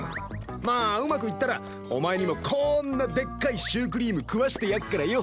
まあうまくいったらお前にもこんなでっかいシュークリーム食わしてやっからよ！